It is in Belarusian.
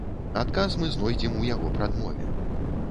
Адказ мы знойдзем у яго прадмове.